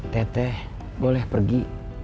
teteh boleh pergi